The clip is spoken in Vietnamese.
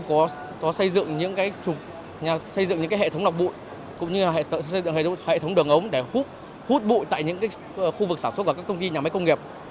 tôi có xây dựng những hệ thống lọc bụi cũng như hệ thống đường ống để hút bụi tại những khu vực sản xuất của các công ty nhà máy công nghiệp